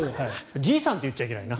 じいさんって言っちゃいけないな。